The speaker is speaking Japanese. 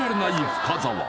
深澤